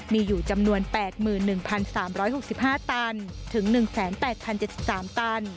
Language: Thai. มีอยู่จำนวน๘๑๓๖๕ตันถึง๑๘๐๗๓ตัน